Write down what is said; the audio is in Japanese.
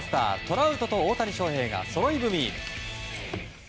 ラウトと大谷翔平がそろい踏み。